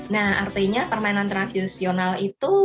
nah artinya permainan tradisional itu